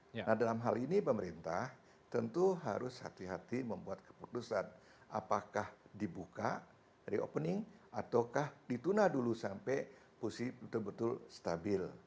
nah dalam hal ini pemerintah tentu harus hati hati membuat keputusan apakah dibuka reopening ataukah dituna dulu sampai posisi betul betul stabil